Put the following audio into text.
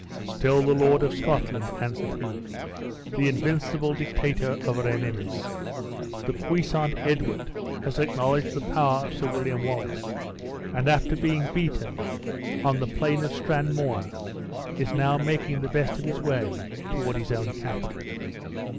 "Still the Lord of Scotland," answered he; "the invincible dictator of her enemies! The puissant Edward has acknowledged the power of Sir William Wallace, and after being beaten on the plain of Stanmore, is now making the best of his way toward his own capital."